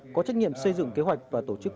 có trách nhiệm xây dựng kế hoạch và tổ chức